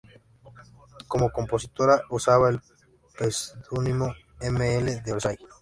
Como compositora usaba el pseudónimo "M. L. De Orsay".